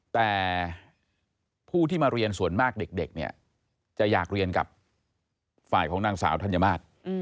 แต่ผู้ที่มาเรียนส่วนมากเด็กเนี่ยจะอยากเรียนกับฝ่ายของนางสาวธัญมาตร